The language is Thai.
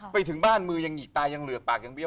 ไปถึงบ้านมือยังหิตายังเหลือกปากยังเบี้